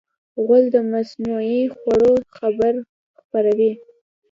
غول د مصنوعي خوړو خبر خپروي.